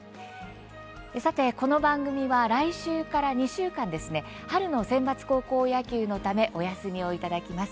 さて、この番組は来週から２週間春の選抜高校野球のためお休みをいただきます。